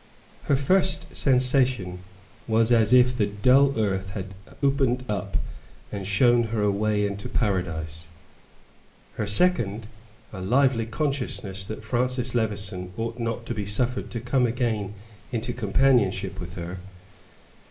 Her first sensation was as if the dull earth had opened and shown her a way into Paradise; her second, a lively consciousness that Francis Levison ought not to be suffered to come again into companionship with her.